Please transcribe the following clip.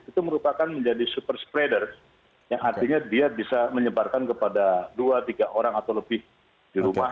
itu merupakan menjadi super spreader yang artinya dia bisa menyebarkan kepada dua tiga orang atau lebih di rumah